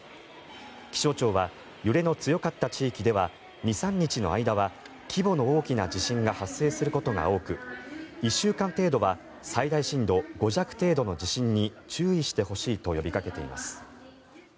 気象庁は揺れの強かった地域では２３日の間は規模の大きな地震が発生することが多く１週間程度は最大震度５弱程度の地震に注意してほしいと呼びかけています。